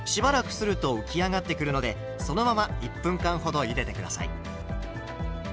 すると浮き上がってくるのでそのまま１分間ほどゆでて下さい。